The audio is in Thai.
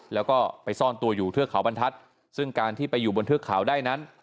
แล้วก็ไปซ่อนตัวอยู่เทือกเขาบรรทัศน์ซึ่งการที่ไปอยู่บนเทือกเขาได้นั้น